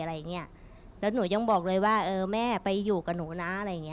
แล้วหนูยังบอกเลยว่าแม่ไปอยู่กับหนูนะ